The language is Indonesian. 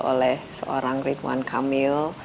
oleh seorang ridwan kamil